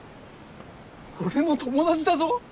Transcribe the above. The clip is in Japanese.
俺の友達だぞ？